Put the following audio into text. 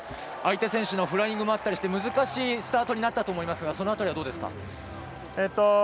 相手選手のフライングもあったりして難しいスタートになったと思いますがその辺りはいかがですか。